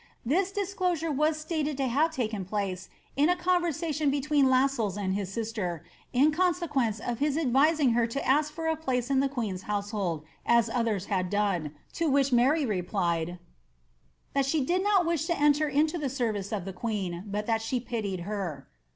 This disclosure was slated to have lakcn pluce in « eraation between Lassells and his eisier, in consequence of liis ■d*»ing her lo a^k for a place in the queen's household, as others had dooe, to which Mary replied, " That she did not wish lo enter into the wrvioe of the queen, but that she pitied her."